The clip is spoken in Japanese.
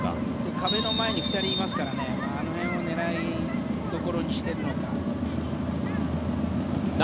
壁の前に２人いますからあの辺を狙いどころにしているのか。